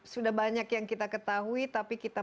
sudah banyak yang kita ketahui tapi kita